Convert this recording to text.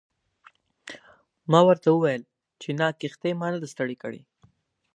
ما ورته وویل چې نه کښتۍ ما نه ده ستړې کړې.